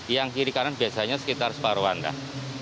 yang kiri kanan biasanya sekitar separohan lah